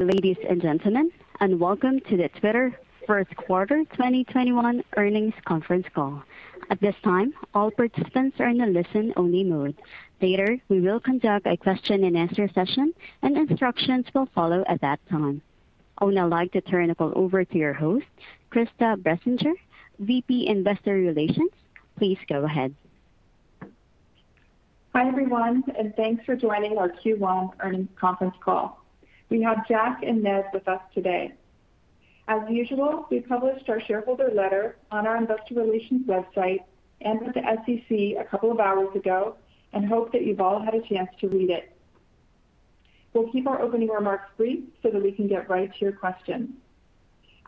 Ladies and gentlemen, welcome to the Twitter first quarter 2021 earnings conference call. At this time, all participants are in a listen-only mode. Later, we will conduct a question-and-answer session, and instructions will follow at that time. I would now like to turn the call over to your host, Krista Bessinger, VP, Investor Relations. Please go ahead. Hi, everyone, and thanks for joining our Q1 earnings conference call. We have Jack and Ned with us today. As usual, we published our shareholder letter on our investor relations website and with the SEC a couple of hours ago and hope that you've all had a chance to read it. We'll keep our opening remarks brief so that we can get right to your questions.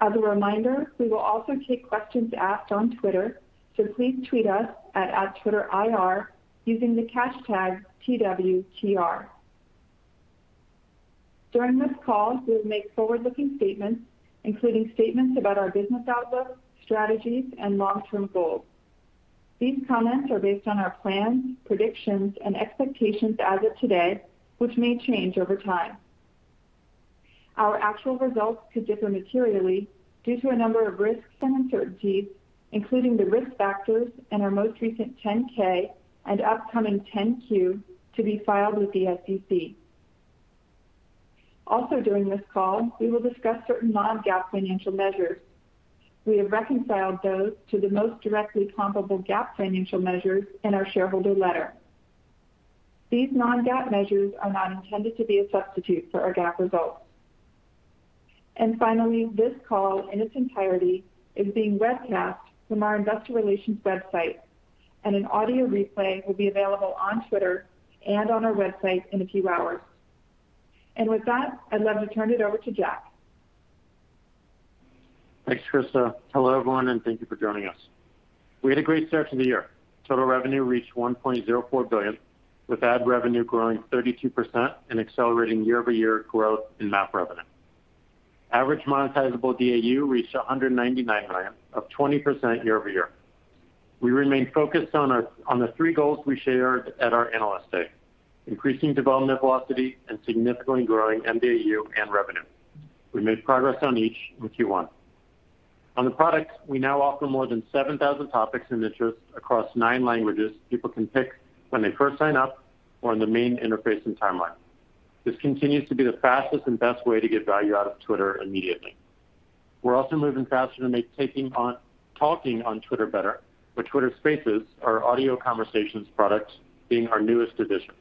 As a reminder, we will also take questions asked on Twitter, so please tweet us at @TwitterIR using the hashtag #TWTR. During this call, we'll make forward-looking statements, including statements about our business outlook, strategies, and long-term goals. These comments are based on our plans, predictions, and expectations as of today, which may change over time. Our actual results could differ materially due to a number of risks and uncertainties, including the risk factors in our most recent 10-K and upcoming 10-Q to be filed with the SEC. During this call, we will discuss certain non-GAAP financial measures. We have reconciled those to the most directly comparable GAAP financial measures in our shareholder letter. These non-GAAP measures are not intended to be a substitute for our GAAP results. Finally, this call in its entirety is being webcast from our investor relations website, and an audio replay will be available on Twitter and on our website in a few hours. With that, I'd love to turn it over to Jack. Thanks, Krista. Hello, everyone, thank you for joining us. We had a great start to the year. Total revenue reached $1.04 billion, with ad revenue growing 32% and accelerating year-over-year growth in MAP revenue. Average monetizable DAU reached 199 million, up 20% year-over-year. We remain focused on the three goals we shared at our Analyst Day: increasing development velocity and significantly growing mDAU and revenue. We made progress on each in Q1. On the product, we now offer more than 7,000 topics and interests across nine languages people can pick when they first sign up or on the main interface and timeline. This continues to be the fastest and best way to get value out of Twitter immediately. We're also moving faster to make talking on Twitter better, with Twitter Spaces, our audio conversations product, being our newest addition.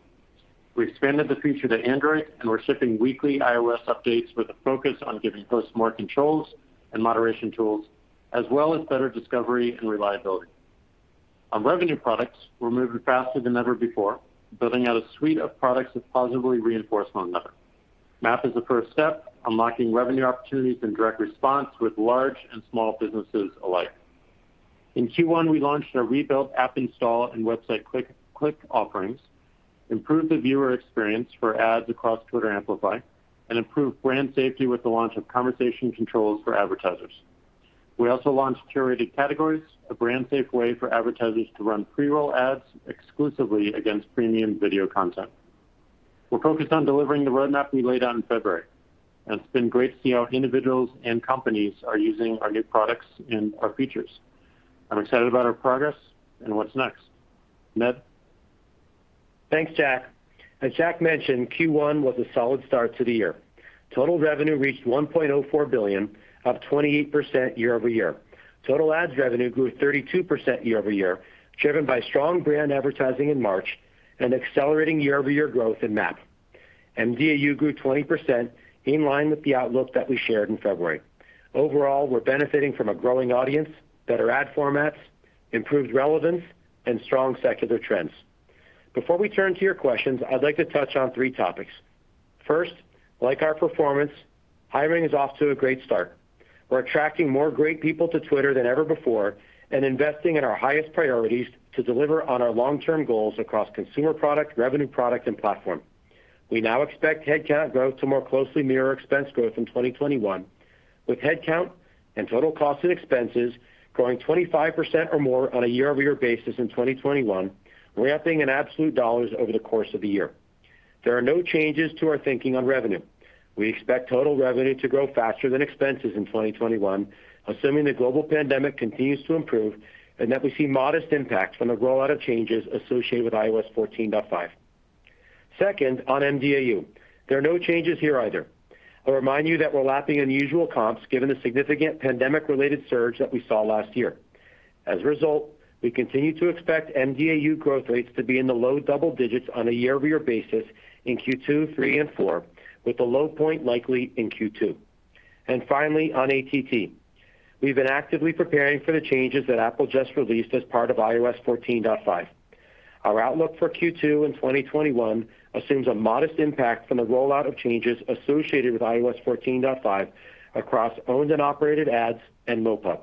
We expanded the feature to Android. We're shipping weekly iOS updates with a focus on giving hosts more controls and moderation tools, as well as better discovery and reliability. On revenue products, we're moving faster than ever before, building out a suite of products that positively reinforce one another. MAP is the first step, unlocking revenue opportunities in direct response with large and small businesses alike. In Q1, we launched our rebuilt app install and website click offerings, improved the viewer experience for ads across Twitter Amplify, and improved brand safety with the launch of conversation controls for advertisers. We also launched Curated Categories, a brand-safe way for advertisers to run pre-roll ads exclusively against premium video content. We're focused on delivering the roadmap we laid out in February. It's been great to see how individuals and companies are using our new products and our features. I'm excited about our progress and what's next. Ned? Thanks, Jack. As Jack mentioned, Q1 was a solid start to the year. Total revenue reached $1.04 billion, up 28% year-over-year. Total ads revenue grew 32% year-over-year, driven by strong brand advertising in March and accelerating year-over-year growth in MAP. mDAU grew 20%, in line with the outlook that we shared in February. Overall, we're benefiting from a growing audience, better ad formats, improved relevance, and strong secular trends. Before we turn to your questions, I'd like to touch on three topics. First, like our performance, hiring is off to a great start. We're attracting more great people to Twitter than ever before and investing in our highest priorities to deliver on our long-term goals across consumer product, revenue product, and platform. We now expect headcount growth to more closely mirror expense growth in 2021, with headcount and total cost and expenses growing 25% or more on a year-over-year basis in 2021, ramping in absolute dollars over the course of the year. There are no changes to our thinking on revenue. We expect total revenue to grow faster than expenses in 2021, assuming the global pandemic continues to improve and that we see modest impacts from the rollout of changes associated with iOS 14.5. Second, on mDAU. There are no changes here either. I'll remind you that we're lapping unusual comps given the significant pandemic-related surge that we saw last year. As a result, we continue to expect mDAU growth rates to be in the low double digits on a year-over-year basis in Q2, three, and four, with the low point likely in Q2. Finally, on ATT. We've been actively preparing for the changes that Apple just released as part of iOS 14.5. Our outlook for Q2 in 2021 assumes a modest impact from the rollout of changes associated with iOS 14.5 across owned and operated ads and MoPub.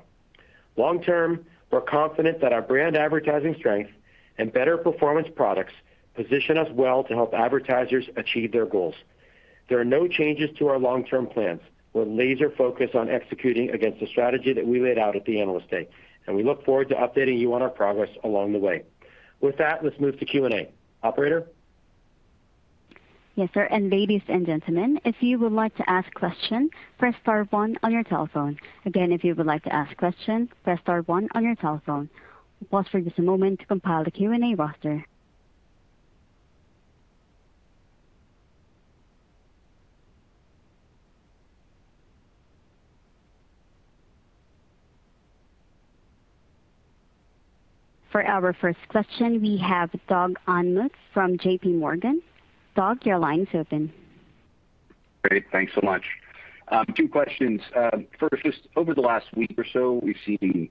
Long term, we're confident that our brand advertising strength and better performance products position us well to help advertisers achieve their goals. There are no changes to our long-term plans. We're laser-focused on executing against the strategy that we laid out at the Analyst Day. We look forward to updating you on our progress along the way. With that, let's move to Q&A. Operator? Yes, sir. Ladies and gentlemen, if you would like to ask question, press star one on your telephone. If you would like to ask question, press star one on your telephone. We'll pause for just a moment to compile the Q&A roster. For our first question, we have Doug Anmuth from JPMorgan. Doug, your line's open. Great. Thanks so much. Two questions. First, just over the last week or so, we've seen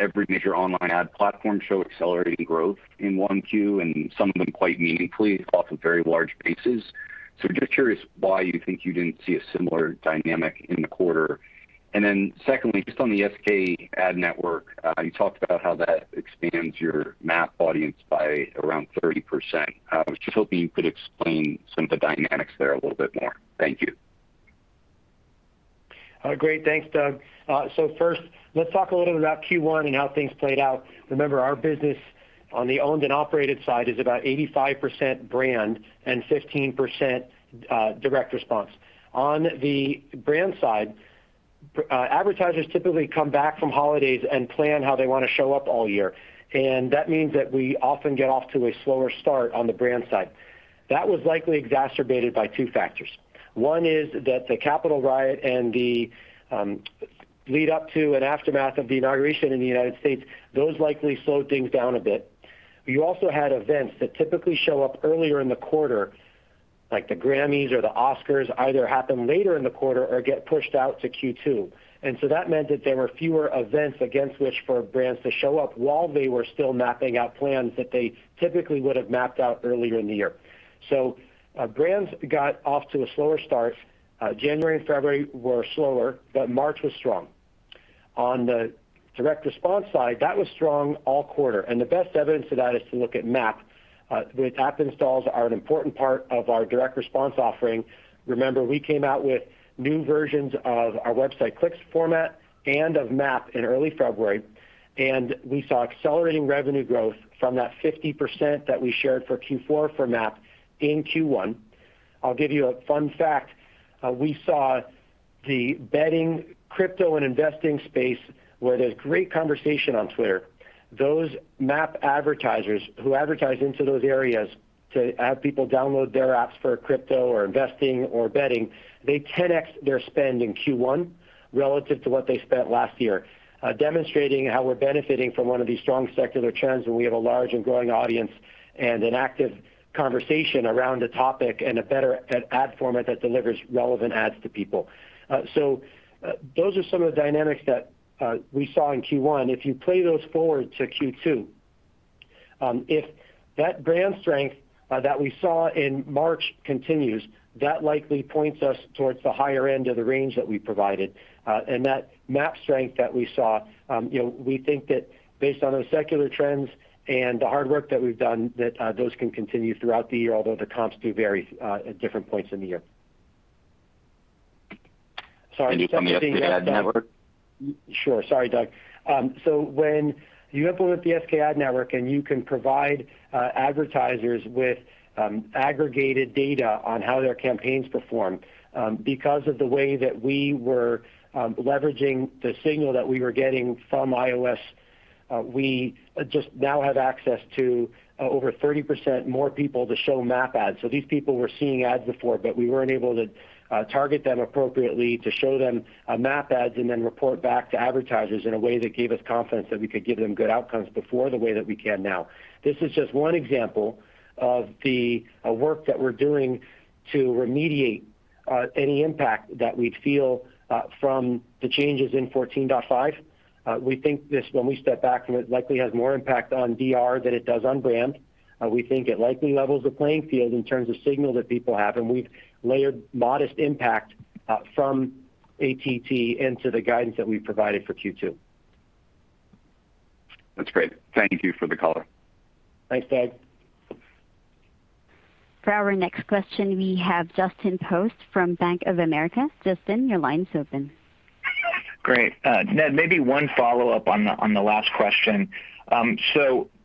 every major online ad platform show accelerating growth in 1Q, and some of them quite meaningfully off of very large bases. Just curious why you think you didn't see a similar dynamic in the quarter. Secondly, just on the SKAdNetwork, you talked about how that expands your MAP audience by around 30%. I was just hoping you could explain some of the dynamics there a little bit more. Thank you. Great. Thanks, Doug. First let's talk a little bit about Q1 and how things played out. Remember, our business on the owned and operated side is about 85% brand and 15% direct response. On the brand side, advertisers typically come back from holidays and plan how they want to show up all year. That means that we often get off to a slower start on the brand side. That was likely exacerbated by two factors. One is that the Capitol riot and the lead up to and aftermath of the inauguration in the United States, those likely slowed things down a bit. You also had events that typically show up earlier in the quarter, like the Grammys or the Oscars, either happen later in the quarter or get pushed out to Q2. That meant that there were fewer events against which for brands to show up while they were still mapping out plans that they typically would've mapped out earlier in the year. Brands got off to a slower start. January and February were slower, March was strong. On the direct response side, that was strong all quarter, the best evidence of that is to look at MAP. The app installs are an important part of our direct response offering. Remember, we came out with new versions of our website clicks format and of MAP in early February, we saw accelerating revenue growth from that 50% that we shared for Q4 for MAP in Q1. I'll give you a fun fact. We saw the betting, crypto, and investing space where there's great conversation on Twitter. Those MAP advertisers who advertise into those areas to have people download their apps for crypto or investing or betting, they 10X-ed their spend in Q1 relative to what they spent last year. Demonstrating how we're benefiting from one of the strong secular trends when we have a large and growing audience and an active conversation around a topic and a better ad format that delivers relevant ads to people. Those are some of the dynamics that we saw in Q1. If you play those forward to Q2, if that brand strength that we saw in March continues, that likely points us towards the higher end of the range that we provided. That MAP strength that we saw, we think that based on those secular trends and the hard work that we've done, that those can continue throughout the year, although the comps do vary at different points in the year. Can you talk to the SKAdNetwork? Sure. Sorry, Doug. When you implement the SKAdNetwork and you can provide advertisers with aggregated data on how their campaigns perform because of the way that we were leveraging the signal that we were getting from iOS, we just now have access to over 30% more people to show MAP ads. These people were seeing ads before, but we weren't able to target them appropriately to show them MAP ads and then report back to advertisers in a way that gave us confidence that we could give them good outcomes before the way that we can now. This is just one example of the work that we're doing to remediate any impact that we'd feel from the changes in 14.5. We think this, when we step back from it, likely has more impact on DR than it does on brand. We think it likely levels the playing field in terms of signal that people have, and we've layered modest impact from ATT into the guidance that we provided for Q2. That's great. Thank you for the color. Thanks, Doug. For our next question, we have Justin Post from Bank of America. Justin, your line is open. Great. Ned, maybe one follow-up on the last question.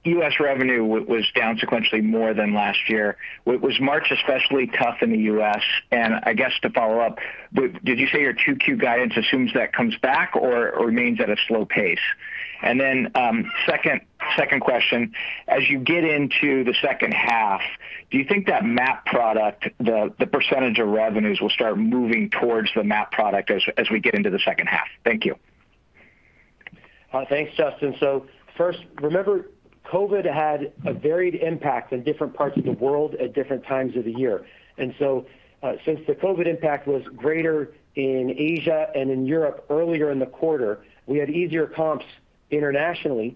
U.S. revenue was down sequentially more than last year. Was March especially tough in the U.S.? I guess to follow-up, did you say your 2Q guidance assumes that comes back or remains at a slow pace? Second question, as you get into the second half, do you think that MAP product, the percentage of revenues will start moving towards the MAP product as we get into the second half? Thank you. Thanks, Justin. First, remember COVID had a varied impact on different parts of the world at different times of the year. Since the COVID impact was greater in Asia and in Europe earlier in the quarter, we had easier comps internationally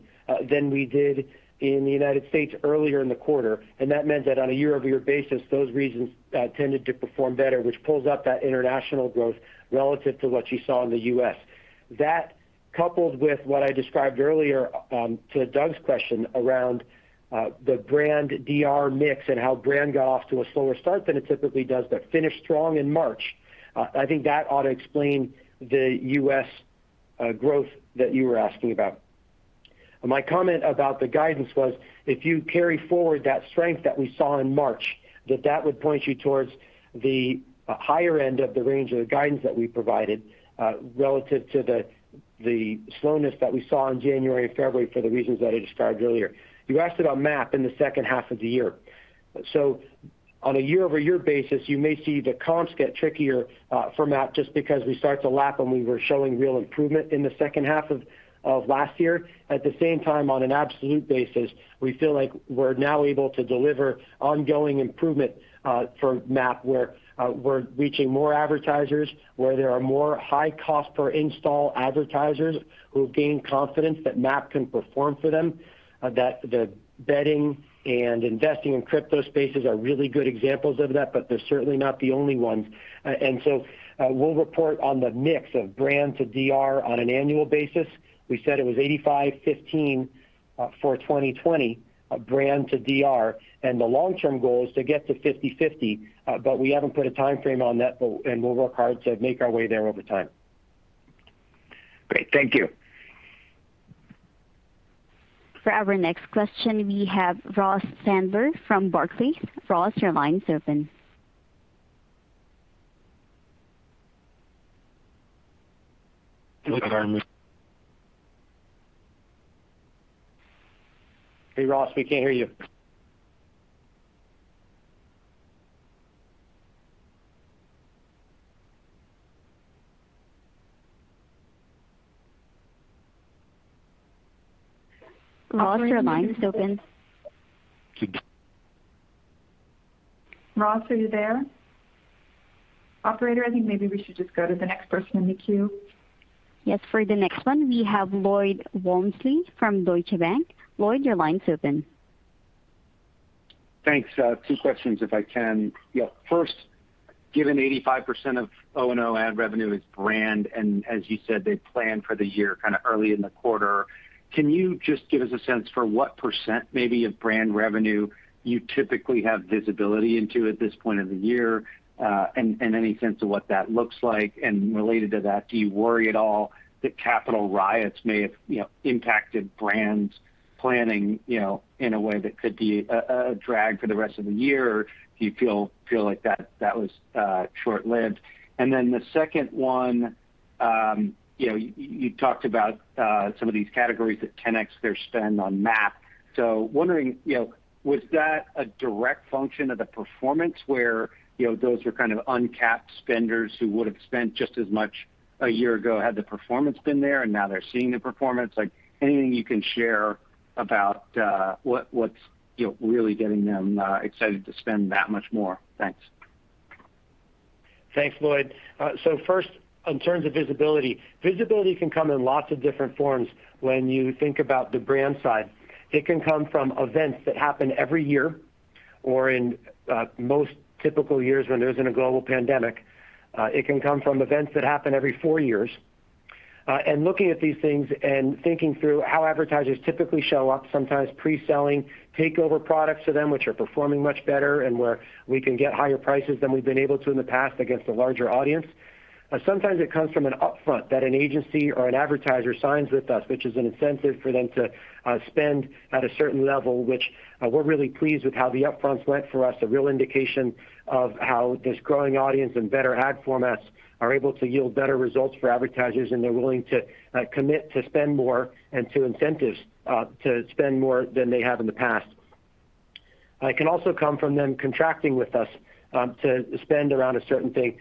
than we did in the U.S. earlier in the quarter. That meant that on a year-over-year basis, those regions tended to perform better, which pulls up that international growth relative to what you saw in the U.S. That, coupled with what I described earlier, to Doug's question around the brand DR mix and how brand got off to a slower start than it typically does, but finished strong in March, I think that ought to explain the U.S. growth that you were asking about. My comment about the guidance was, if you carry forward that strength that we saw in March, that that would point you towards the higher end of the range of the guidance that we provided relative to the slowness that we saw in January and February for the reasons that I described earlier. You asked about MAP in the second half of the year. On a year-over-year basis, you may see the comps get trickier for MAP just because we start to lap when we were showing real improvement in the second half of last year. At the same time, on an absolute basis, we feel like we're now able to deliver ongoing improvement for MAP where we're reaching more advertisers, where there are more high cost per install advertisers who have gained confidence that MAP can perform for them. The betting and investing in crypto spaces are really good examples of that, they're certainly not the only ones. We'll report on the mix of brand to DR on an annual basis. We said it was 85/15 for 2020 brand to DR, and the long-term goal is to get to 50/50. We haven't put a timeframe on that, and we'll work hard to make our way there over time. Great. Thank you. For our next question, we have Ross Sandler from Barclays. Ross, your line's open. Hey, Ross, we can't hear you. Ross, your line's open. Ross, are you there? Operator, I think maybe we should just go to the next person in the queue. Yes, for the next one, we have Lloyd Walmsley from Deutsche Bank. Lloyd, your line's open. Thanks. Two questions if I can. First, given 85% of O&O ad revenue is brand, and as you said, they plan for the year kind of early in the quarter, can you just give us a sense for what percent maybe of brand revenue you typically have visibility into at this point of the year? Any sense of what that looks like? Related to that, do you worry at all that Capitol riots may have impacted brands planning in a way that could be a drag for the rest of the year, or do you feel like that was short-lived? The second one, you talked about some of these categories that 10x their spend on MAP. Wondering, was that a direct function of the performance where those were kind of uncapped spenders who would have spent just as much a year ago had the performance been there and now they're seeing the performance? Anything you can share about what's really getting them excited to spend that much more. Thanks. Thanks, Lloyd. First, in terms of visibility. Visibility can come in lots of different forms when you think about the brand side. It can come from events that happen every year or in most typical years when there isn't a global pandemic. It can come from events that happen every four years. Looking at these things and thinking through how advertisers typically show up, sometimes pre-selling takeover products to them, which are performing much better and where we can get higher prices than we've been able to in the past against a larger audience. Sometimes it comes from an upfront that an agency or an advertiser signs with us, which is an incentive for them to spend at a certain level, which we're really pleased with how the upfronts went for us, a real indication of how this growing audience and better ad formats are able to yield better results for advertisers, and they're willing to commit to spend more and to incentive to spend more than they have in the past. It can also come from them contracting with us to spend around a certain thing.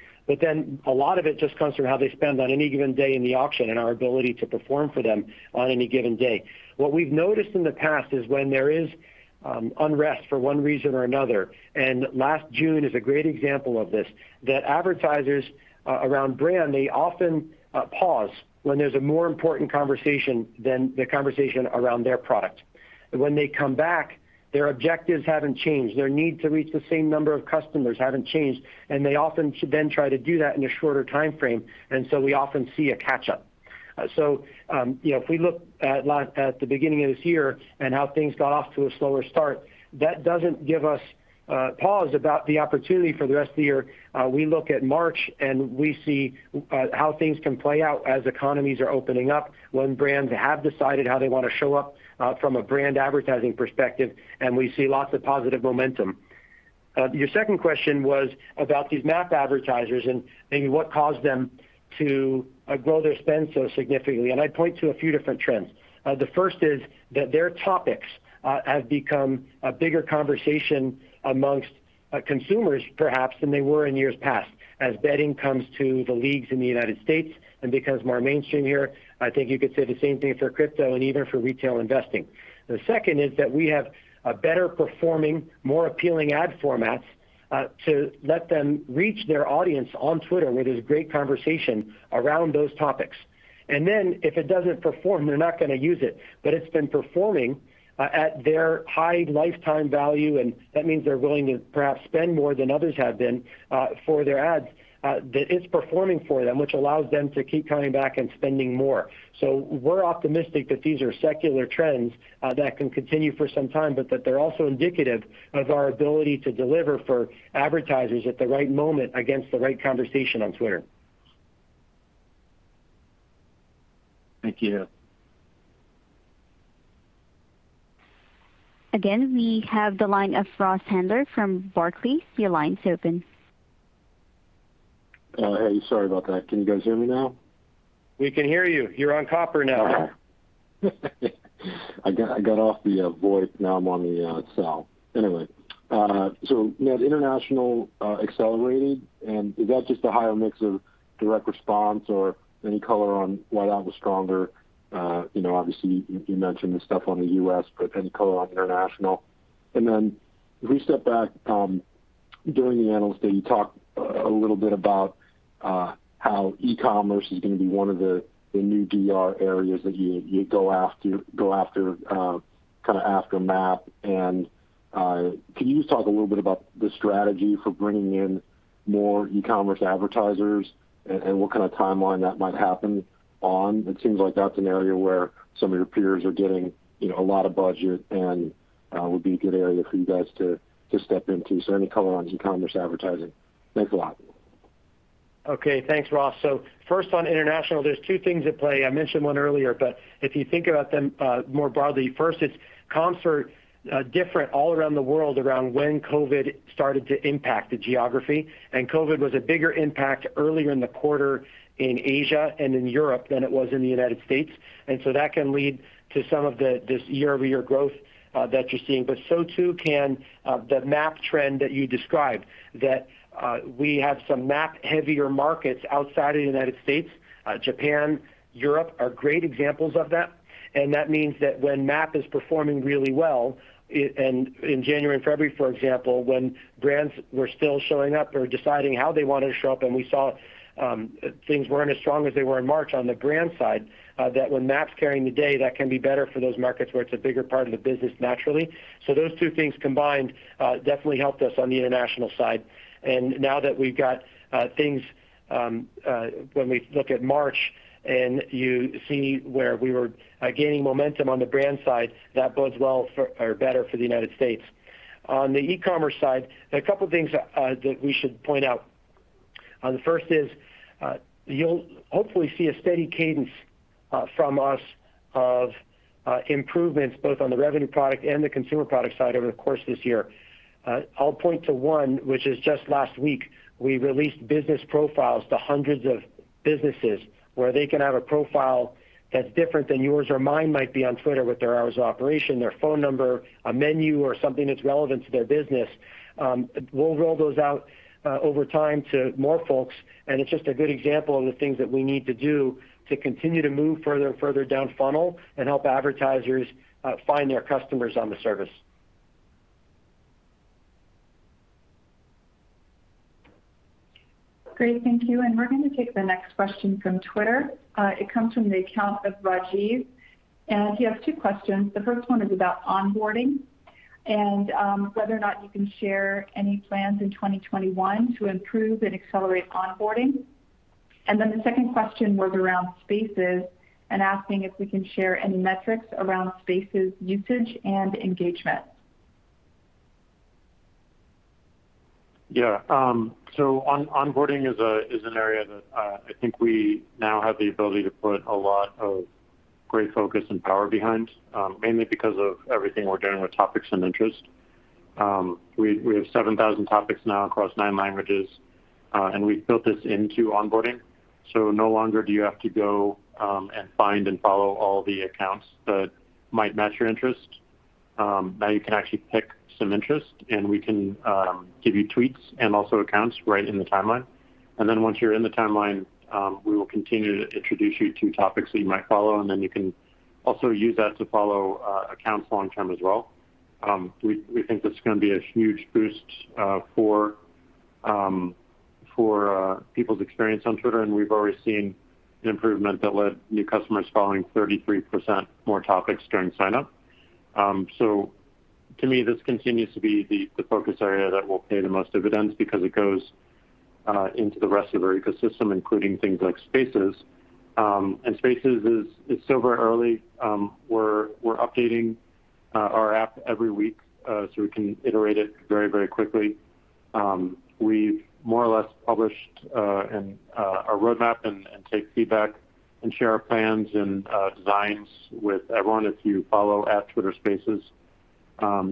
A lot of it just comes from how they spend on any given day in the auction and our ability to perform for them on any given day. What we've noticed in the past is when there is unrest for one reason or another, Last June is a great example of this, that advertisers around brand, they often pause when there's a more important conversation than the conversation around their product. When they come back, their objectives haven't changed. Their need to reach the same number of customers haven't changed, They often then try to do that in a shorter timeframe, We often see a catch-up. If we look at the beginning of this year and how things got off to a slower start, that doesn't give us pause about the opportunity for the rest of the year. We look at March and we see how things can play out as economies are opening up, when brands have decided how they want to show up from a brand advertising perspective, and we see lots of positive momentum. Your second question was about these MAP advertisers and maybe what caused them to grow their spend so significantly, and I'd point to a few different trends. The first is that their topics have become a bigger conversation amongst consumers, perhaps, than they were in years past. As betting comes to the leagues in the U.S. and becomes more mainstream here, I think you could say the same thing for crypto and even for retail investing. The second is that we have a better performing, more appealing ad formats to let them reach their audience on Twitter where there's great conversation around those topics. If it doesn't perform, they're not going to use it. It's been performing at their high lifetime value, and that means they're willing to perhaps spend more than others have been for their ads. That it's performing for them, which allows them to keep coming back and spending more. We're optimistic that these are secular trends that can continue for some time, but that they're also indicative of our ability to deliver for advertisers at the right moment against the right conversation on Twitter. Thank you. Again, we have the line of Ross Sandler from Barclays. Your line's open. Hey. Sorry about that. Can you guys hear me now? We can hear you. You're on conference now. Okay. I got off the voice, now I'm on the cell. Anyway. Ned, international accelerated, and is that just a higher mix of direct response or any color on why that was stronger? Obviously, you mentioned the stuff on the U.S., any color on international? If we step back, during the Analyst Day, you talked a little bit about how e-commerce is going to be one of the new DR areas that you go after MAP. Can you just talk a little bit about the strategy for bringing in more e-commerce advertisers, and what kind of timeline that might happen on? It seems like that's an area where some of your peers are getting a lot of budget and would be a good area for you guys to step into. Any color on e-commerce advertising? Thanks a lot. Okay. Thanks, Ross. First on international, there's two things at play. I mentioned one earlier, but if you think about them more broadly, first, it's comps are different all around the world around when COVID started to impact the geography. COVID was a bigger impact earlier in the quarter in Asia and in Europe than it was in the U.S. That can lead to some of this year-over-year growth that you're seeing. So too can the MAP trend that you described, that we have some MAP heavier markets outside of the U.S. Japan, Europe, are great examples of that. That means that when the MAP is performing really well, and in January and February, for example, when brands were still showing up or deciding how they wanted to show up, and we saw things weren't as strong as they were in March on the brand side, that when MAP is carrying the day, that can be better for those markets where it's a bigger part of the business naturally. Those two things combined definitely helped us on the international side. Now that we've got things, when we look at March and you see where we were gaining momentum on the brand side, that bodes well for or better for the United States. On the e-commerce side, a couple of things that we should point out. The first is, you'll hopefully see a steady cadence from us of improvements both on the revenue product and the consumer product side over the course of this year. I'll point to one, which is just last week, we released business profiles to hundreds of businesses where they can have a profile that's different than yours or mine might be on Twitter with their hours of operation, their phone number, a menu, or something that's relevant to their business. We'll roll those out over time to more folks. It's just a good example of the things that we need to do to continue to move further and further down funnel and help advertisers find their customers on the service. Great. Thank you. We're going to take the next question from Twitter. It comes from the account of Rajeev. He has two questions. The first one is about onboarding and whether or not you can share any plans in 2021 to improve and accelerate onboarding. The second question was around Spaces and asking if we can share any metrics around Spaces usage and engagement. Yeah. Onboarding is an area that I think we now have the ability to put a lot of great focus and power behind, mainly because of everything we're doing with topics and interest. We have 7,000 topics now across nine languages. We've built this into onboarding. No longer do you have to go and find and follow all the accounts that might match your interest. Now you can actually pick some interest, and we can give you tweets and also accounts right in the timeline. Once you're in the timeline, we will continue to introduce you to topics that you might follow, and then you can also use that to follow accounts long term as well. We think this is going to be a huge boost for people's experience on Twitter, and we've already seen an improvement that led new customers following 33% more topics during sign-up. To me, this continues to be the focus area that will pay the most dividends because it goes into the rest of our ecosystem, including things like Spaces. Spaces is still very early. We're updating our app every week, so we can iterate it very quickly. We've more or less published our roadmap and take feedback and share our plans and designs with everyone. If you follow @TwitterSpaces,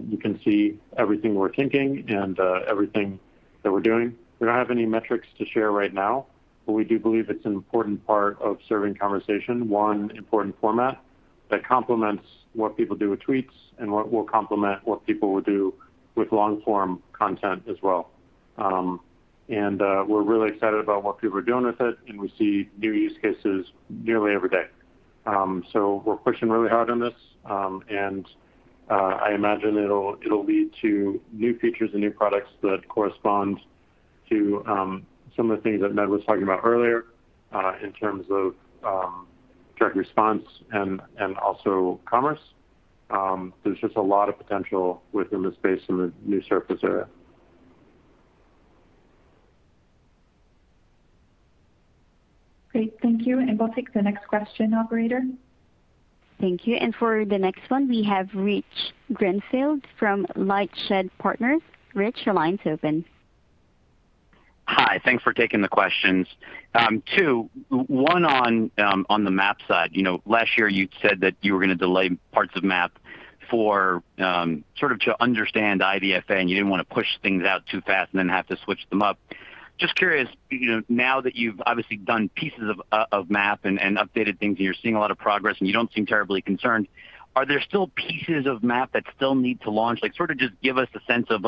you can see everything we're thinking and everything that we're doing. We don't have any metrics to share right now, but we do believe it's an important part of serving conversation, one important format that complements what people do with tweets and what will complement what people will do with long-form content as well. We're really excited about what people are doing with it, and we see new use cases nearly every day. We're pushing really hard on this. I imagine it'll lead to new features and new products that correspond to some of the things that Ned was talking about earlier, in terms of direct response and also commerce. There's just a lot of potential within the space and the new surface area. Great. Thank you. We'll take the next question, operator. Thank you. For the next one, we have Rich Greenfield from LightShed Partners. Rich, your line's open. Hi. Thanks for taking the questions. Two. One on the MAP side. Last year you said that you were going to delay parts of MAP to understand IDFA, and you didn't want to push things out too fast and then have to switch them up. Just curious, now that you've obviously done pieces of MAP and updated things, and you're seeing a lot of progress, and you don't seem terribly concerned, are there still pieces of MAP that still need to launch? Just give us a sense of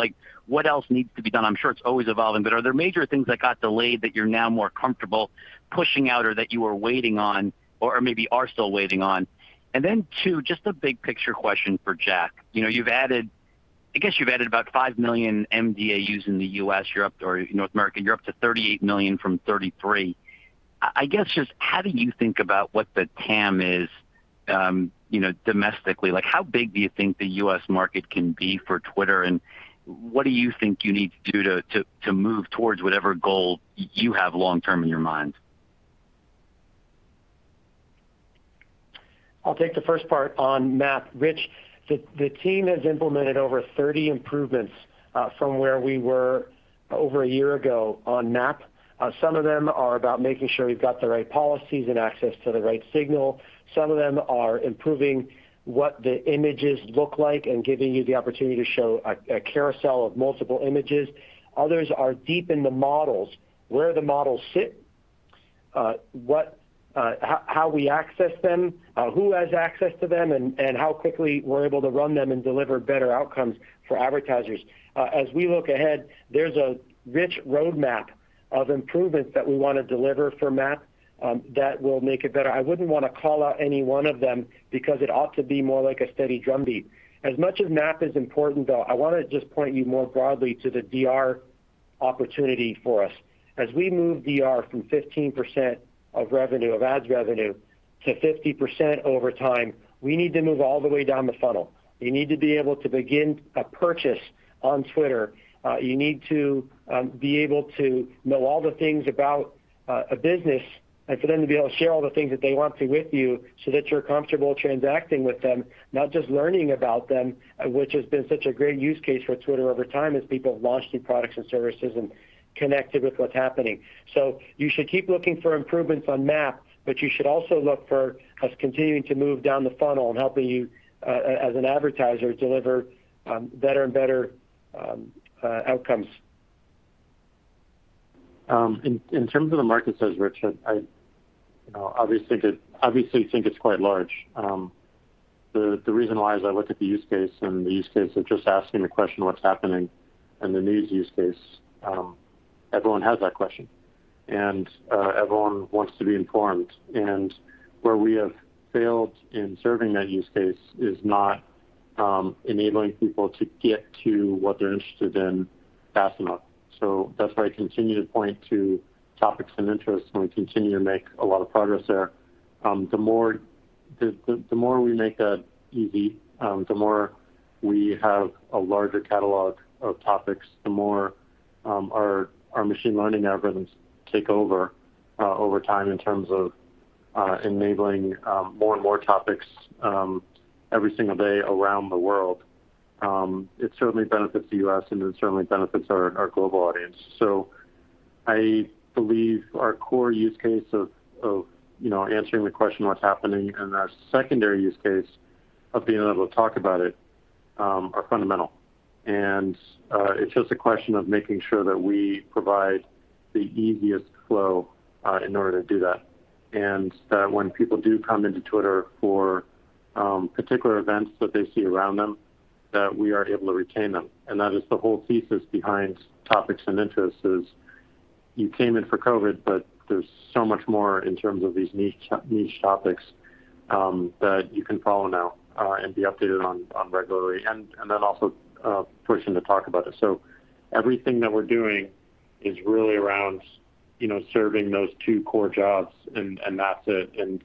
what else needs to be done. I'm sure it's always evolving, but are there major things that got delayed that you're now more comfortable pushing out or that you were waiting on or maybe are still waiting on? Then two, just a big picture question for Jack. I guess you've added about five million mDAUs in the U.S. or North America. You're up to 38 million from 33 million. I guess just how do you think about what the TAM is domestically? How big do you think the U.S. market can be for Twitter, and what do you think you need to do to move towards whatever goal you have long term in your mind? I'll take the first part on MAP, Rich. The team has implemented over 30 improvements from where we were over a year ago on MAP. Some of them are about making sure we've got the right policies and access to the right signal. Some of them are improving what the images look like and giving you the opportunity to show a carousel of multiple images. Others are deep in the models, where the models sit, how we access them, who has access to them, and how quickly we're able to run them and deliver better outcomes for advertisers. As we look ahead, there's a rich roadmap of improvements that we want to deliver for MAP that will make it better. I wouldn't want to call out any one of them because it ought to be more like a steady drumbeat. As much as MAP is important, though, I want to just point you more broadly to the DR opportunity for us. As we move DR from 15% of ads revenue to 50% over time, we need to move all the way down the funnel. You need to be able to begin a purchase on Twitter. You need to be able to know all the things about a business and for them to be able to share all the things that they want to with you so that you're comfortable transacting with them, not just learning about them, which has been such a great use case for Twitter over time as people have launched new products and services and connected with what's happening. You should keep looking for improvements on MAP, but you should also look for us continuing to move down the funnel and helping you, as an advertiser, deliver better and better outcomes. In terms of the market size, Rich, I obviously think it's quite large. The reason why is I look at the use case, and the use case of just asking the question, what's happening, and the news use case. Everyone has that question, and everyone wants to be informed. Where we have failed in serving that use case is not enabling people to get to what they're interested in fast enough. That's why I continue to point to topics and interests, and we continue to make a lot of progress there. The more we make that easy, the more we have a larger catalog of topics, the more our machine learning algorithms take over time, in terms of enabling more and more topics every single day around the world. It certainly benefits the U.S., and it certainly benefits our global audience. I believe our core use case of answering the question, what's happening, and our secondary use case of being able to talk about it, are fundamental. It's just a question of making sure that we provide the easiest flow in order to do that, and that when people do come into Twitter for particular events that they see around them, that we are able to retain them. That is the whole thesis behind topics and interests is you came in for COVID, but there's so much more in terms of these niche topics that you can follow now and be updated on regularly. Then also pushing to talk about it. Everything that we're doing is really around serving those two core jobs, and that's it.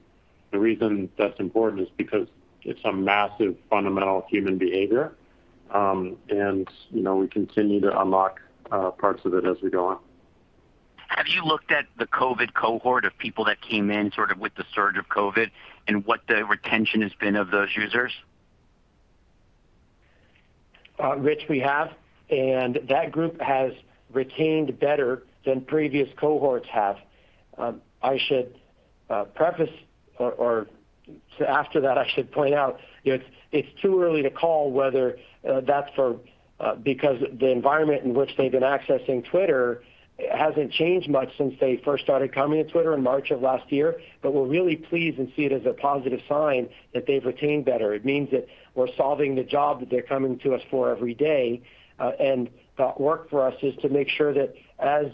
The reason that's important is because it's a massive fundamental human behavior, and we continue to unlock parts of it as we go on. Have you looked at the COVID cohort of people that came in with the surge of COVID and what the retention has been of those users? Rich, we have, and that group has retained better than previous cohorts have. After that, I should point out it's too early to call whether that's because the environment in which they've been accessing Twitter hasn't changed much since they first started coming to Twitter in March of last year. We're really pleased and see it as a positive sign that they've retained better. It means that we're solving the job that they're coming to us for every day, and the work for us is to make sure that as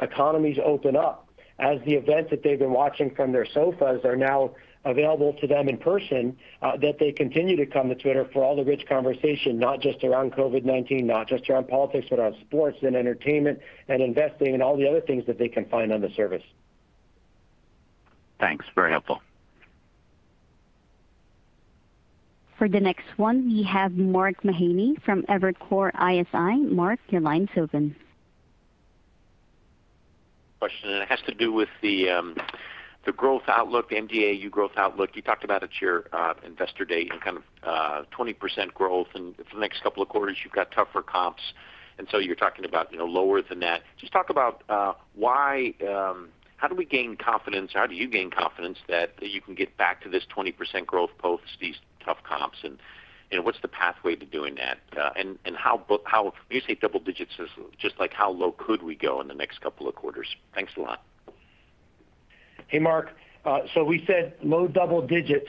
economies open up, as the events that they've been watching from their sofas are now available to them in person, that they continue to come to Twitter for all the rich conversation, not just around COVID-19, not just around politics, but around sports and entertainment and investing and all the other things that they can find on the service. Thanks. Very helpful. For the next one, we have Mark Mahaney from Evercore ISI. Mark, your line's open. To do with the growth outlook, mDAU growth outlook. You talked about at your Investor Day and kind of 20% growth and for the next couple of quarters you've got tougher comps, and so you're talking about lower than that. Just talk about how do we gain confidence? How do you gain confidence that you can get back to this 20% growth post these tough comps? What's the pathway to doing that? When you say double digits, just like how low could we go in the next couple of quarters? Thanks a lot. Mark. We said low double digits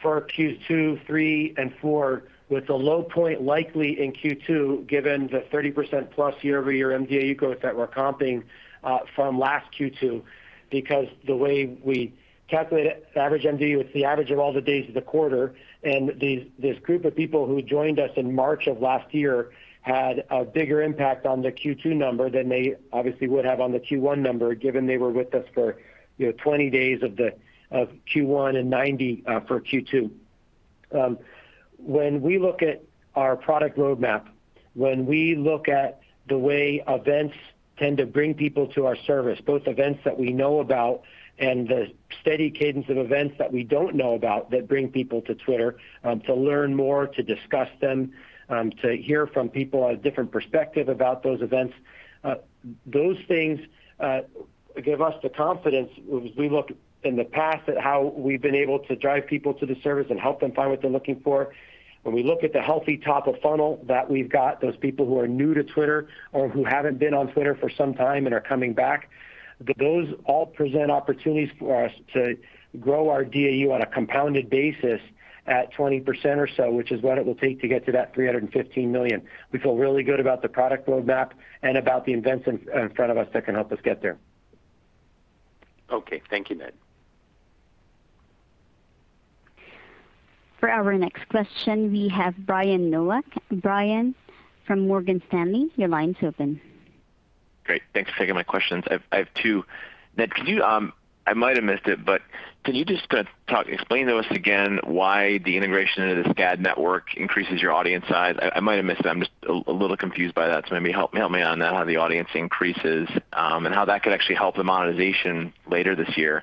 for our Q2, Q3 and Q4 with the low point likely in Q2, given the 30%+ year-over-year mDAU growth that we're comping from last Q2. The way we calculate average mDAU, it's the average of all the days of the quarter, and this group of people who joined us in March of last year had a bigger impact on the Q2 number than they obviously would have on the Q1 number, given they were with us for 20 days of Q1 and 90 for Q2. When we look at our product roadmap, when we look at the way events tend to bring people to our service, both events that we know about and the steady cadence of events that we don't know about that bring people to Twitter, to learn more, to discuss them, to hear from people a different perspective about those events. Those things give us the confidence as we look in the past at how we've been able to drive people to the service and help them find what they're looking for. When we look at the healthy top of funnel that we've got, those people who are new to Twitter or who haven't been on Twitter for some time and are coming back, those all present opportunities for us to grow our DAU on a compounded basis at 20% or so, which is what it will take to get to that 315 million. We feel really good about the product roadmap and about the events in front of us that can help us get there. Okay. Thank you, Ned. For our next question, we have Brian Nowak. Brian from Morgan Stanley, your line's open. Great. Thanks for taking my questions. I have two. Ned, I might have missed it, but can you just explain to us again why the integration into the SKAdNetwork increases your audience size? I might have missed it. I'm just a little confused by that, so maybe help me on that, how the audience increases, and how that could actually help the monetization later this year.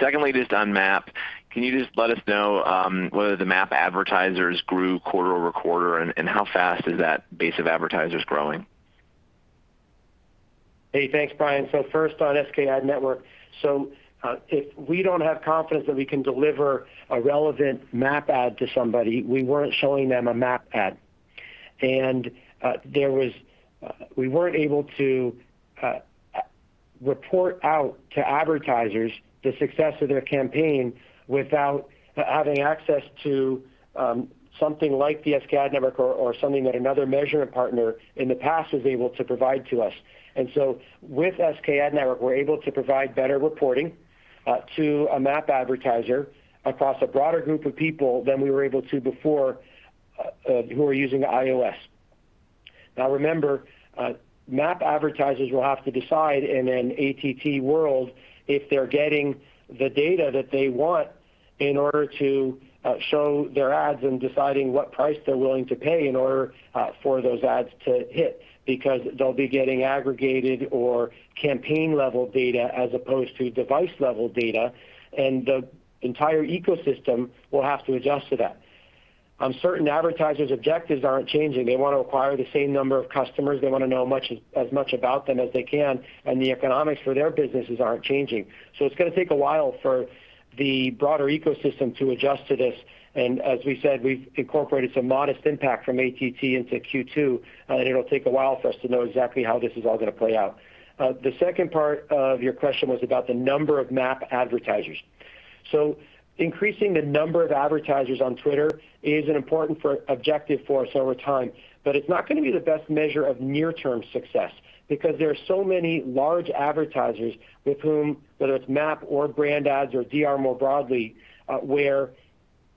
Secondly, just on MAP, can you just let us know whether the MAP advertisers grew quarter-over-quarter and how fast is that base of advertisers growing? Hey, thanks, Brian. First on SKAdNetwork. If we don't have confidence that we can deliver a relevant MAP ad to somebody, we weren't showing them a MAP ad. We weren't able to report out to advertisers the success of their campaign without having access to something like the SKAdNetwork or something that another measurement partner in the past was able to provide to us. With SKAdNetwork, we're able to provide better reporting to a MAP advertiser across a broader group of people than we were able to before, who are using iOS. Remember, MAP advertisers will have to decide in an ATT world if they're getting the data that they want in order to show their ads and deciding what price they're willing to pay in order for those ads to hit because they'll be getting aggregated or campaign-level data as opposed to device-level data. The entire ecosystem will have to adjust to that. Certain advertisers' objectives aren't changing. They want to acquire the same number of customers. They want to know as much about them as they can. The economics for their businesses aren't changing. It's going to take a while for the broader ecosystem to adjust to this. As we said, we've incorporated some modest impact from ATT into Q2. It'll take a while for us to know exactly how this is all gonna play out. The second part of your question was about the number of MAP advertisers. Increasing the number of advertisers on Twitter is an important objective for us over time, but it's not going to be the best measure of near-term success because there are so many large advertisers with whom, whether it's MAP or brand ads or DR more broadly, where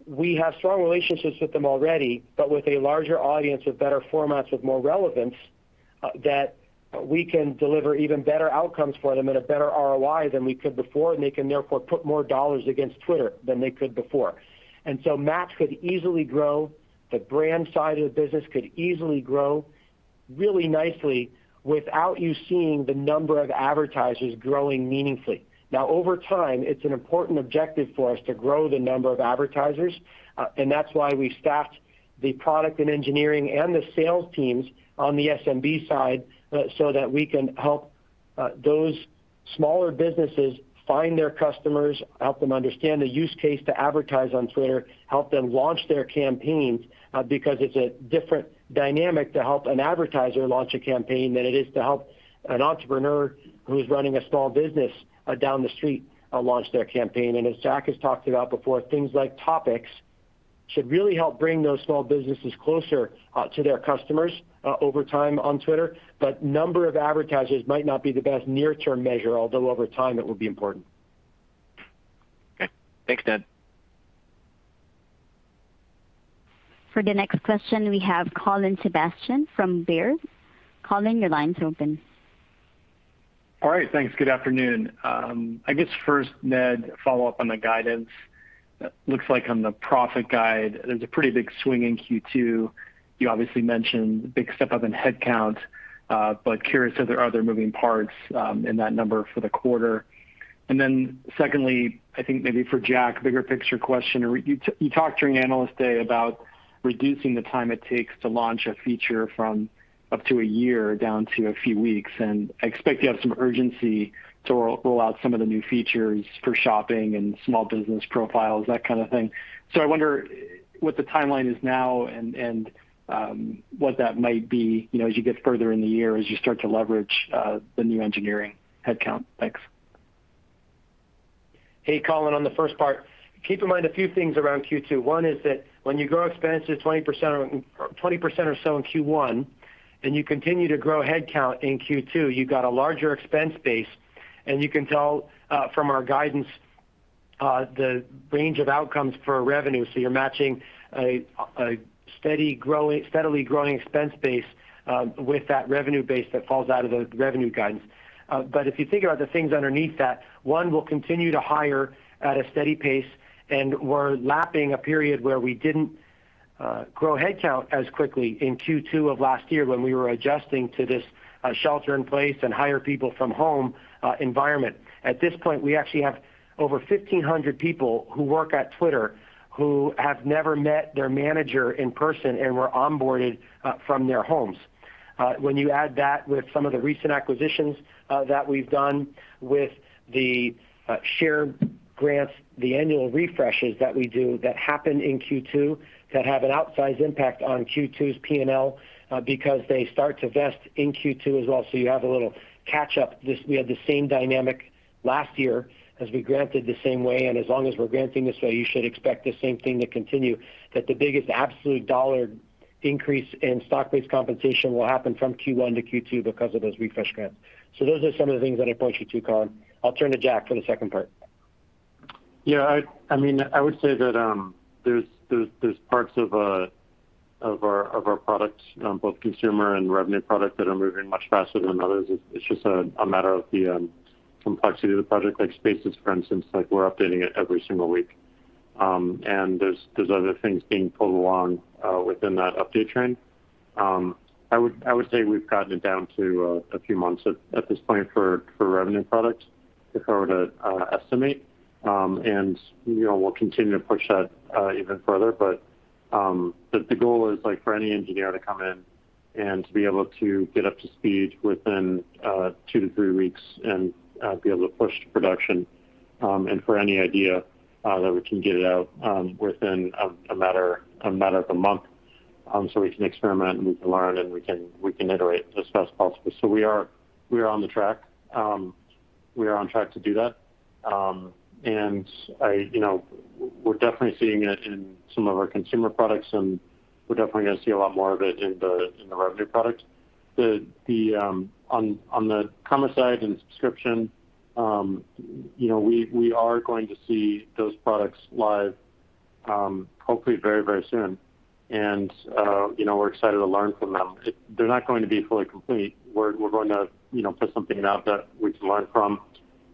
we have strong relationships with them already, but with a larger audience, with better formats, with more relevance, that we can deliver even better outcomes for them at a better ROI than we could before, and they can therefore put more dollars against Twitter than they could before. MAP could easily grow. The brand side of the business could easily grow really nicely without you seeing the number of advertisers growing meaningfully. Over time, it's an important objective for us to grow the number of advertisers, and that's why we staffed the product and engineering and the sales teams on the SMB side, so that we can help those smaller businesses find their customers, help them understand the use case to advertise on Twitter, help them launch their campaigns, because it's a different dynamic to help an advertiser launch a campaign than it is to help an entrepreneur who's running a small business down the street launch their campaign. As Jack has talked about before, things like topics should really help bring those small businesses closer to their customers over time on Twitter. Number of advertisers might not be the best near-term measure, although over time it will be important. Okay. Thanks, Ned. For the next question, we have Colin Sebastian from Baird. Colin, your line's open. All right. Thanks. Good afternoon. I guess first, Ned, follow-up on the guidance. Looks like on the profit guide, there's a pretty big swing in Q2. You obviously mentioned the big step-up in headcount, but curious, are there other moving parts in that number for the quarter? Then secondly, I think maybe for Jack, bigger picture question. You talked during Analyst Day about reducing the time it takes to launch a feature from up to a year down to a few weeks, and I expect you have some urgency to roll out some of the new features for shopping and small business profiles, that kind of thing. I wonder what the timeline is now and what that might be, as you get further in the year, as you start to leverage the new engineering headcount. Thanks. Hey, Colin. On the first part, keep in mind a few things around Q2. One is that when you grow expenses 20% or so in Q1, and you continue to grow headcount in Q2, you got a larger expense base, and you can tell, from our guidance, the range of outcomes for revenue. You're matching a steadily growing expense base with that revenue base that falls out of the revenue guidance. If you think about the things underneath that, one, we'll continue to hire at a steady pace, and we're lapping a period where we didn't grow headcount as quickly in Q2 of last year when we were adjusting to this shelter in place and hire people from home environment. At this point, we actually have over 1,500 people who work at Twitter who have never met their manager in person and were onboarded from their homes. When you add that with some of the recent acquisitions that we've done with the share grants, the annual refreshes that we do that happen in Q2, that have an outsized impact on Q2's P&L, because they start to vest in Q2 as well, so you have a little catch-up. We had the same dynamic last year as we granted the same way, and as long as we're granting this way, you should expect the same thing to continue, that the biggest absolute dollar increase in stock-based compensation will happen from Q1-Q2 because of those refresh grants. Those are some of the things that I'd point you to, Colin. I'll turn to Jack for the second part. Yeah. I would say that there's parts of our products, both consumer and revenue product, that are moving much faster than others. It's just a matter of the complexity of the project. Like Spaces, for instance, we're updating it every single week. There's other things being pulled along within that update train. I would say we've gotten it down to a few months at this point for revenue products if I were to estimate. We'll continue to push that even further. The goal is for any engineer to come in and to be able to get up to speed within two to three weeks and be able to push to production, and for any idea, that we can get it out within a matter of a month, so we can experiment and we can learn, and we can iterate as fast as possible. We are on track to do that. We're definitely seeing it in some of our consumer products, and we're definitely going to see a lot more of it in the revenue products. On the commerce side and subscription, we are going to see those products live, hopefully very soon. We're excited to learn from them. They're not going to be fully complete. We're going to put something out that we can learn from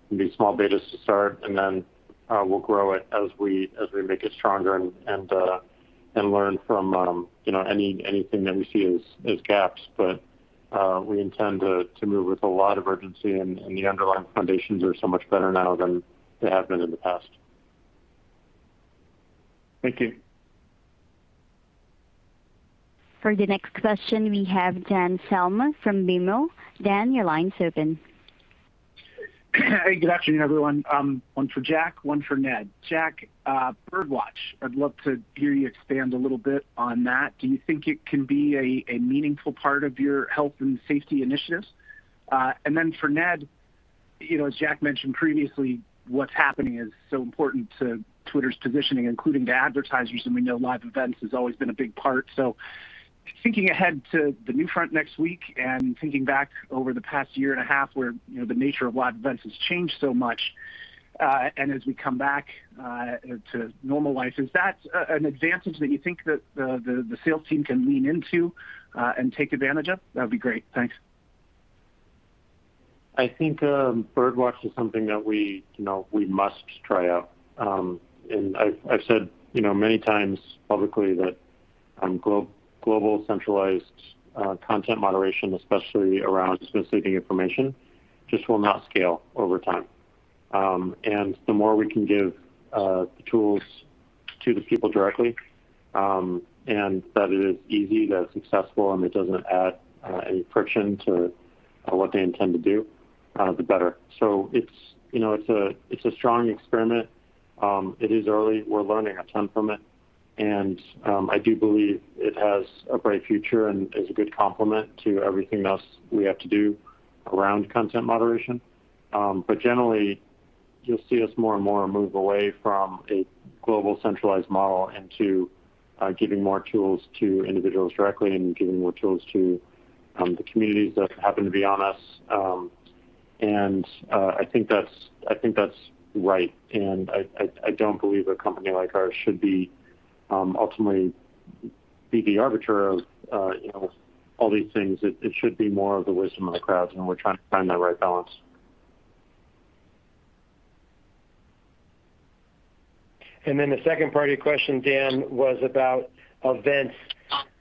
and be small betas to start, and then we'll grow it as we make it stronger and learn from anything that we see as gaps. We intend to move with a lot of urgency, and the underlying foundations are so much better now than they have been in the past. Thank you. For the next question, we have Dan Salmon from BMO. Dan, your line's open. Hey, good afternoon, everyone. One for Jack, one for Ned. Jack, Birdwatch. I'd love to hear you expand a little bit on that. Do you think it can be a meaningful part of your health and safety initiatives? Then for Ned, as Jack mentioned previously, what's happening is so important to Twitter's positioning, including to advertisers, and we know live events has always been a big part. Thinking ahead to the NewFront next week and thinking back over the past year and a half where the nature of live events has changed so much, and as we come back to normalize, is that an advantage that you think that the sales team can lean into, and take advantage of? That'd be great. Thanks. I think Birdwatch is something that we must try out. I've said many times publicly that global centralized content moderation, especially around sensitive information, just will not scale over time. The more we can give the tools to the people directly, and that it is easy, that it's accessible, and it doesn't add any friction to what they intend to do, the better. It's a strong experiment. It is early. We're learning a ton from it. I do believe it has a bright future and is a good complement to everything else we have to do around content moderation. Generally, you'll see us more and more move away from a global centralized model into giving more tools to individuals directly and giving more tools to the communities that happen to be on us. I think that's right. I don't believe a company like ours should ultimately be the arbiter of all these things. It should be more of the wisdom of the crowds, and we're trying to find that right balance. The second part of your question, Dan, was about events.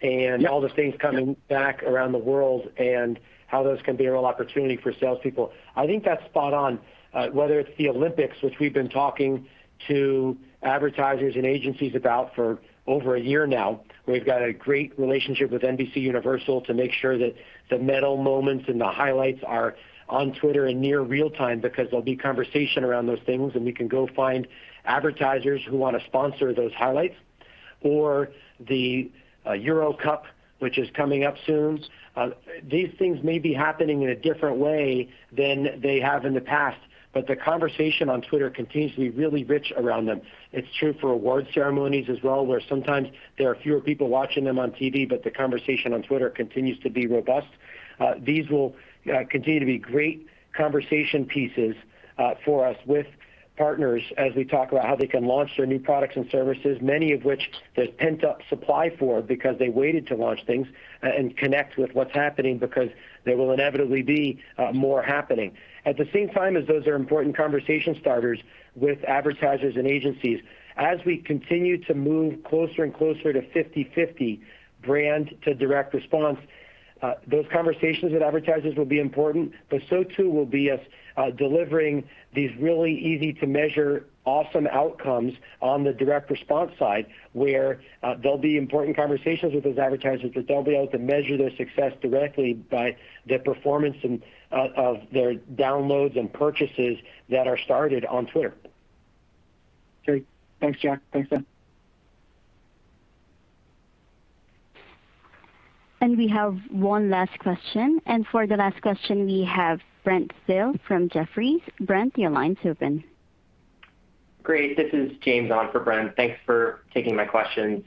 Yep All the things coming back around the world, and how those can be a real opportunity for salespeople. I think that's spot on. Whether it's the Olympics, which we've been talking to advertisers and agencies about for over a year now. We've got a great relationship with NBCUniversal to make sure that the medal moments and the highlights are on Twitter in near real time, because there'll be conversation around those things, and we can go find advertisers who want to sponsor those highlights. The Euro Cup, which is coming up soon. These things may be happening in a different way than they have in the past, the conversation on Twitter continues to be really rich around them. It's true for award ceremonies as well, where sometimes there are fewer people watching them on TV, the conversation on Twitter continues to be robust. These will continue to be great conversation pieces for us with partners as we talk about how they can launch their new products and services, many of which there's pent-up supply for because they waited to launch things and connect with what's happening because there will inevitably be more happening. At the same time as those are important conversation starters with advertisers and agencies, as we continue to move closer and closer to 50/50 brand to direct response, those conversations with advertisers will be important. So too will be us delivering these really easy-to-measure, awesome outcomes on the direct response side, where there'll be important conversations with those advertisers, but they'll be able to measure their success directly by the performance of their downloads and purchases that are started on Twitter. Great. Thanks, Jack. Thanks, Ned. We have one last question. For the last question, we have Brent Thill from Jefferies. Brent, your line's open. Great. This is James on for Brent. Thanks for taking my questions.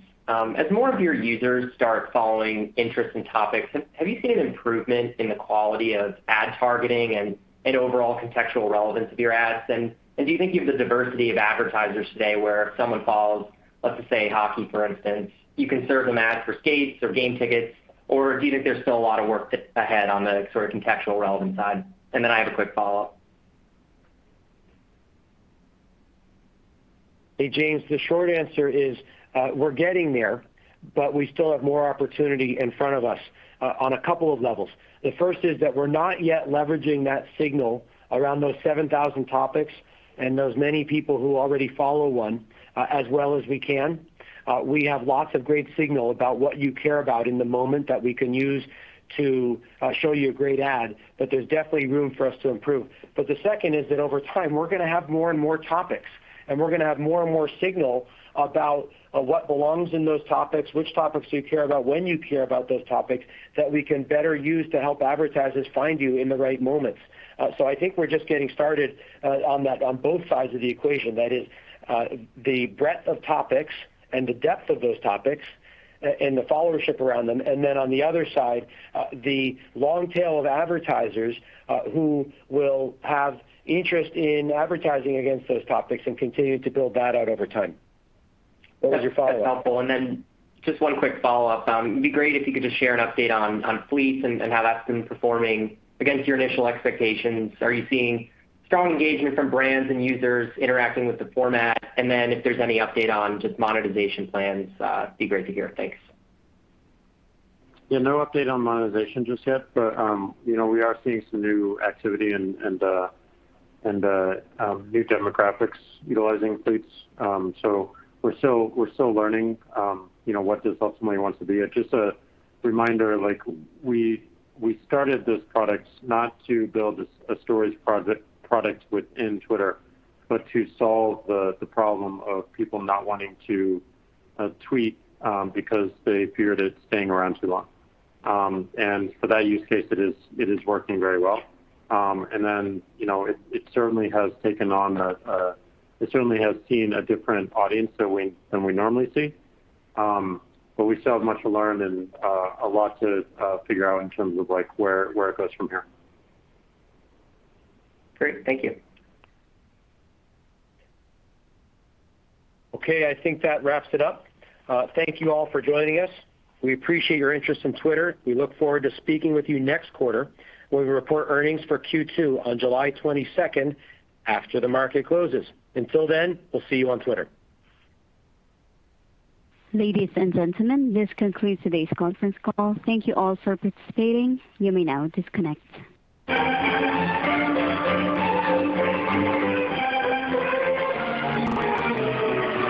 As more of your users start following interesting topics, have you seen an improvement in the quality of ad targeting and overall contextual relevance of your ads? Do you think you have the diversity of advertisers today where if someone follows, let's just say hockey, for instance, you can serve them ads for skates or game tickets, or do you think there's still a lot of work ahead on the contextual relevance side? I have a quick follow-up. Hey, James. The short answer is, we're getting there, but we still have more opportunity in front of us on a couple of levels. The first is that we're not yet leveraging that signal around those 7,000 topics and those many people who already follow one, as well as we can. We have lots of great signal about what you care about in the moment that we can use to show you a great ad, but there's definitely room for us to improve. The second is that over time, we're going to have more and more topics, and we're going to have more and more signal about what belongs in those topics, which topics do you care about, when you care about those topics, that we can better use to help advertisers find you in the right moments. I think we're just getting started on that on both sides of the equation. That is, the breadth of topics and the depth of those topics and the followership around them. Then on the other side, the long tail of advertisers, who will have interest in advertising against those topics and continue to build that out over time. What was your follow-up? That's helpful. Then just one quick follow-up. It'd be great if you could just share an update on Fleets and how that's been performing against your initial expectations. Are you seeing strong engagement from brands and users interacting with the format? Then if there's any update on just monetization plans, it'd be great to hear. Thanks. No update on monetization just yet, but we are seeing some new activity and new demographics utilizing Fleets. We're still learning what this ultimately wants to be. Just a reminder, we started this product not to build a stories product within Twitter, but to solve the problem of people not wanting to tweet because they feared it staying around too long. For that use case, it is working very well. It certainly has seen a different audience than we normally see. We still have much to learn and a lot to figure out in terms of where it goes from here. Great. Thank you. Okay, I think that wraps it up. Thank you all for joining us. We appreciate your interest in Twitter. We look forward to speaking with you next quarter when we report earnings for Q2 on July 22nd, after the market closes. Until then, we'll see you on Twitter. Ladies and gentlemen, this concludes today's conference call. Thank you all for participating. You may now disconnect.